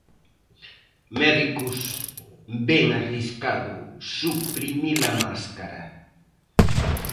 Médicos ven "arriscado" suprimir a máscara.